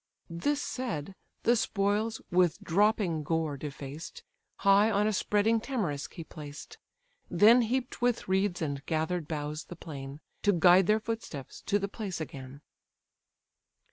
This said, the spoils, with dropping gore defaced, High on a spreading tamarisk he placed; Then heap'd with reeds and gathered boughs the plain, To guide their footsteps to the place again.